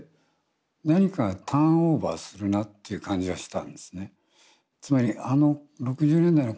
何かターンオーバーするなっていう感じはしてたんですね。